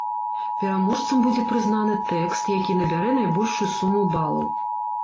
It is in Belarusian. Пераможцам будзе прызнаны тэкст, які набярэ найбольшую суму балаў.